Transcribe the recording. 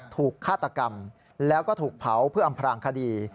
ฆาตกรรมแล้วก็ถูกเผาเพื่ออำพลางคดี